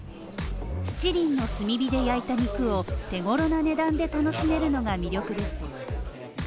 七輪の炭火で焼いた肉を手ごろな値段で楽しめるのが魅力です。